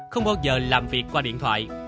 không bao giờ làm việc qua điện thoại